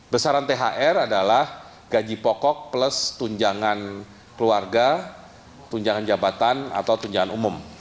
besaran thr adalah gaji pokok plus tunjangan keluarga tunjangan jabatan atau tunjangan umum